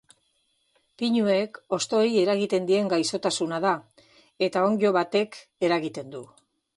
Pinuen hostoei eragiten dien gaixotasuna da eta onddo batek eragiten du.